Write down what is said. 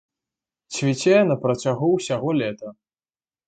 Цвіце на працягу ўсяго лета.